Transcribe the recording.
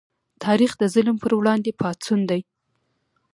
تاریخ د ظلم پر وړاندې پاڅون دی.